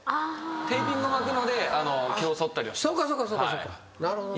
テーピングを巻くので毛をそったりはしてます。